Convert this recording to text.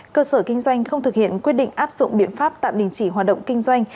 cơ sở kinh doanh không thực hiện quyết định áp dụng biện pháp tạm đình chỉ hoạt động kinh doanh